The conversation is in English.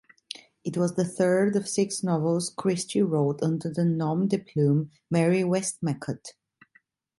It was the third of six novels Christie wrote under the nom-de-plume Mary Westmacott.